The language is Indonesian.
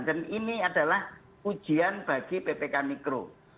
dan ini adalah ujian bagi ppkm mikro